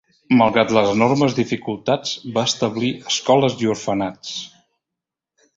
Malgrat les enormes dificultats, va establir escoles i orfenats.